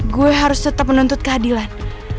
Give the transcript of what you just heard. gue harus tetep menuntut kehadilan